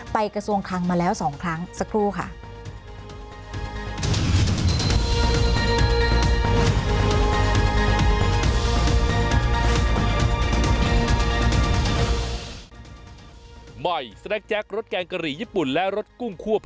กระทรวงคลังมาแล้ว๒ครั้งสักครู่ค่ะ